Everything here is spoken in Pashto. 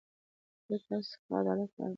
زه تاسو خڅه عدالت غواړم.